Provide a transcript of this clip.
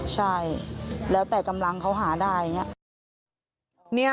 ใช่แล้วแต่กำลังเขาหาได้อย่างนี้